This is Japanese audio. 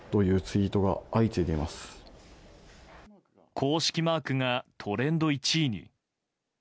「公式マーク」がトレンド１位に。